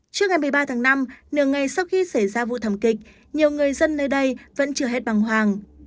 trước ngày một mươi ba tháng năm nửa ngày sau khi xảy ra vụ thảm kịch nhiều người dân nơi đây vẫn chưa hết bằng hoàng